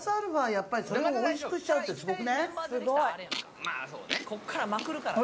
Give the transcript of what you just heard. やっぱりそれもおいしくしちゃうってすごくね？